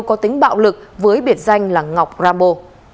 có tính bạo lực với biệt danh là ngọc rambo